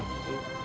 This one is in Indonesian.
lebih baik nyawa